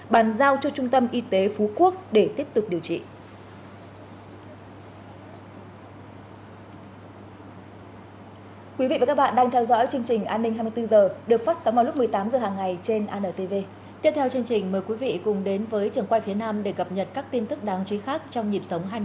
bàn giao cho trung tâm y tế phú quốc để tiếp tục điều trị